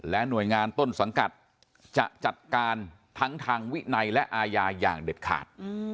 หน่วยงานต้นสังกัดจะจัดการทั้งทางวินัยและอาญาอย่างเด็ดขาด